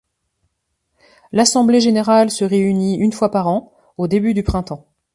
L’assemblée Générale se réunit une fois par an, au début du printemps.